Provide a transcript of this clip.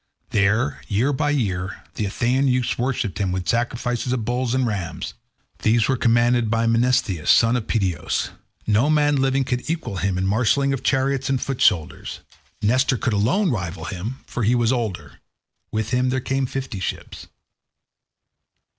There, year by year, the Athenian youths worship him with sacrifices of bulls and rams. These were commanded by Menestheus, son of Peteos. No man living could equal him in the marshalling of chariots and foot soldiers. Nestor could alone rival him, for he was older. With him there came fifty ships.